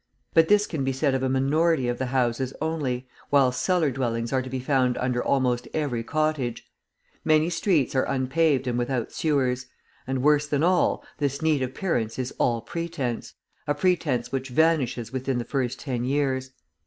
But this can be said of a minority of the houses only, while cellar dwellings are to be found under almost every cottage; many streets are unpaved and without sewers; and, worse than all, this neat appearance is all pretence, a pretence which vanishes within the first ten years.